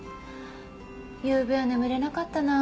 ゆうべは眠れなかったなあ。